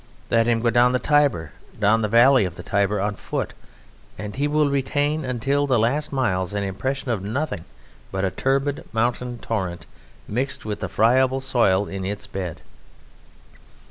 Let him go down the Tiber, down the Valley of the Tiber, on foot, and he will retain until the last miles an impression of nothing but a turbid mountain torrent, mixed with the friable soil in its bed.